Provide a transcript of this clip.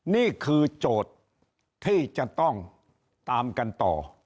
นี่คือโจทย์ที่จะต้องตามกันต่อ